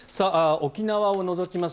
沖縄を除きます